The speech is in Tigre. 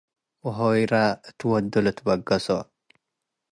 ወሆይራ እት ልወዱ ልትበገሶ ።